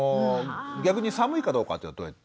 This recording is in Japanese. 逆に寒いかどうかっていうのはどうやって？